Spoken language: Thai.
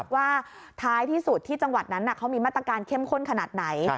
ว่าท้ายที่สุดที่จังหวัดนั้นเขามีมาตรการเข้มข้นขนาดไหน